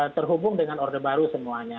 terhubung dengan orde baru semuanya